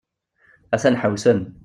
A-t-an ḥewsen.